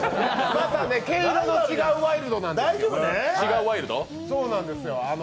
またね、毛色の違うワイルドなんですよ。